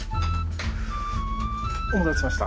お待たせしました。